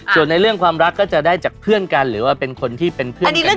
ส่วนในเรื่องความรักก็จะได้จากเพื่อนกันหรือว่าเป็นคนที่เป็นเพื่อนกัน